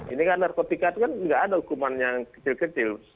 ini kan narkotika itu kan nggak ada hukuman yang kecil kecil